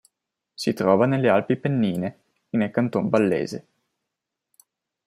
Si trova nelle Alpi Pennine, nel Canton Vallese.